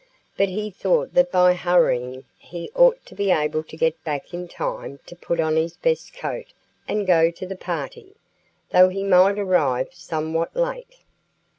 But he thought that by hurrying he ought to be able to get back in time to put on his best coat and go to the party, though he might arrive somewhat late.